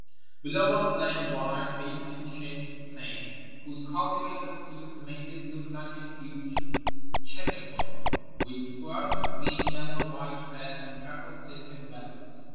Below us lay a wide, basin shaped plain, whose cultivated fields made it look like a huge checker board, with squares of green, yellow, white, red, and purple silk and velvet.